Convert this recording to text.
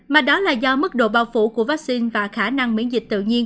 mà đó là do mức độ bao phủ của vaccine và khả năng miễn dịch tự nhiên